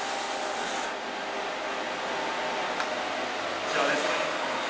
こちらですね。